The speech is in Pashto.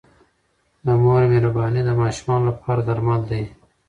د مور مهرباني د ماشومانو لپاره درمل دی.